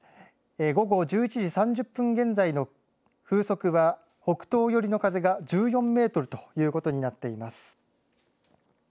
午後１１時３０分現在の風速は北東寄りの風が１４メートルということになっています。